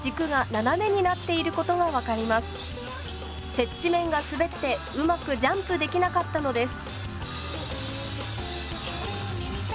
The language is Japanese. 接地面が滑ってうまくジャンプできなかったのです。